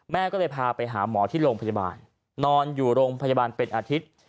ก็เลยพาไปหาหมอที่โรงพยาบาลนอนอยู่โรงพยาบาลเป็นอาทิตย์